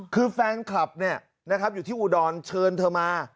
คือแฟนคลับอยู่ที่อุดรเชิญเธอมา